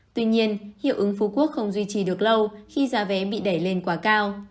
tuy nhiên hiệu ứng phú quốc không duy trì được lâu khi giá vé bị đẩy lên quá cao